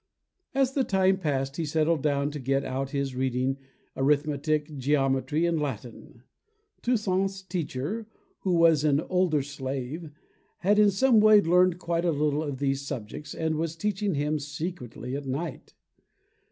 As the time passed, he settled down to get out his reading, arithmetic, geometry and Latin. Toussaint's teacher, who was an older slave, had in some way learned quite a little of these subjects and was teaching him secretly at night.